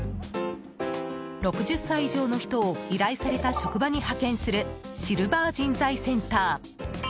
６０歳以上の人を依頼された職場に派遣するシルバー人材センター。